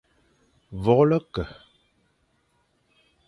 Vôlge ke, va vite.